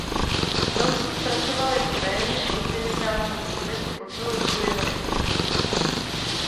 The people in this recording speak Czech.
Thomson pracoval jako tajemník kontinentálního kongresu po celou dobu jeho existence.